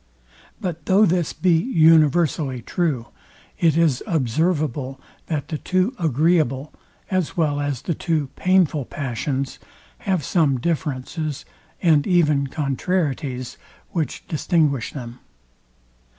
But though this be universally true, it is observable, that the two agreeable, as well as the two painful passions, have some difference, and even contrarieties, which distinguish them.